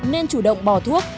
nên chủ động bỏ thuốc